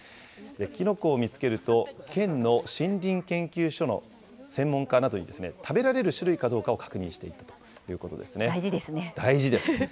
きのこを見つけると、県の森林研究所の専門家などに、食べられる種類かどうかを確認していくとい大事ですね。